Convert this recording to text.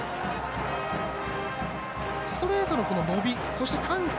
ストレートの伸び、緩急。